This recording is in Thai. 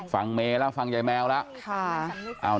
ฟังเมล่ะฟังใหญ่แมวละ